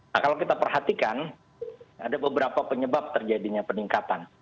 nah kalau kita perhatikan ada beberapa penyebab terjadinya peningkatan